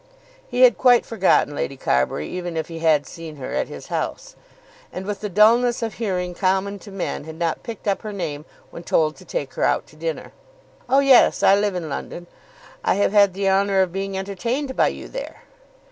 He had quite forgotten Lady Carbury even if he had seen her at his house, and with the dulness of hearing common to men, had not picked up her name when told to take her out to dinner. "Oh, yes, I live in London. I have had the honour of being entertained by you there."